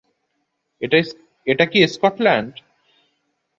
এটা কি স্কটল্যান্ড?